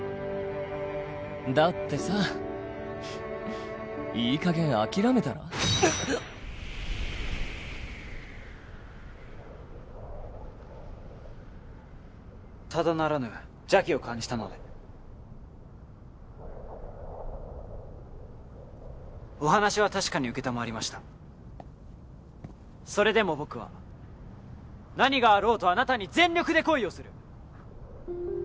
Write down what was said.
だってさいい加減諦めたら？うっただならぬ邪気を感じたのでお話は確かに承りましたそれでも僕は何があろうとあなたに全力で恋をする！